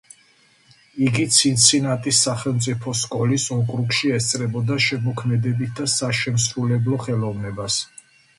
იგი ცინცინატის სახელმწიფო სკოლის ოკრუგში ესწრებოდა შემოქმედებით და საშემსრულებლო ხელოვნებას.